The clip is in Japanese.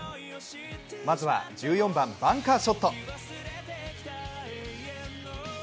まずは１４番、バンカーショット。